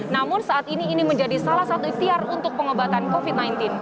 namun saat ini ini menjadi salah satu ikhtiar untuk pengobatan covid sembilan belas